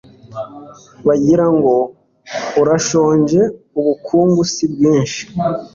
bagira ngo urashonjeubukungu si bwinshi